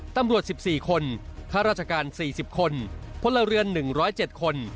ตำรวจ๑๔คนครการ๔๐คนพร๑๐๗คน